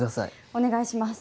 お願いします。